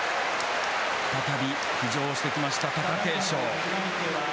再び浮上してきました貴景勝。